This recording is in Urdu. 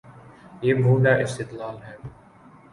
یہ بھونڈا استدلال ہے۔